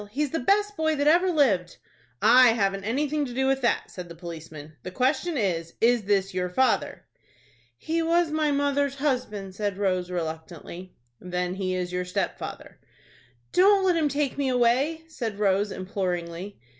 He's the best boy that ever lived." "I haven't anything to do with that," said the policeman. "The question is, is this your father?" "He was mother's husband," said Rose, reluctantly. "Then he is your stepfather." "Don't let him take me away," said Rose, imploringly.